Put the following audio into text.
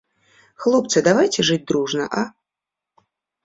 Хлопцы, давайце жыць дружна, а!